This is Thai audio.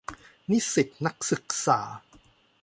นิสิตนักศึกษา